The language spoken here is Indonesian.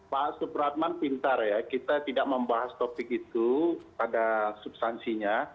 pak supratman pintar ya kita tidak membahas topik itu pada substansinya